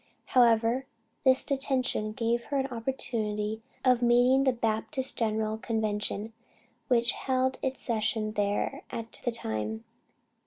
However, this detention gave her an opportunity of meeting the Baptist General Convention which held its session there at that time.